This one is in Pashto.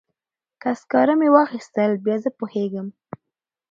که سکاره مې واخیستل بیا زه پوهیږم.